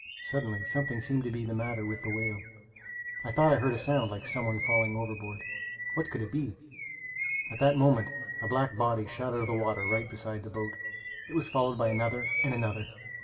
Suddenly something seemed to be the matter with the whale. I thought I heard a sound like some one falling overboard. What could it be? At that moment a black body shot out of the water right beside the boat. It was followed by another and another.